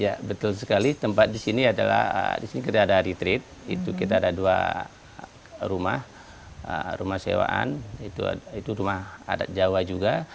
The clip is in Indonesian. ya betul sekali tempat di sini adalah di sini kita ada retreat itu kita ada dua rumah rumah sewaan itu rumah adat jawa juga